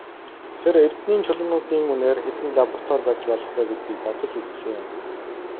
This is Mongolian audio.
Тэр эрдэнийн чулуунуудын үнээр хэдэн лаборатори барьж болох вэ гэдгийг бодож үзсэн юм.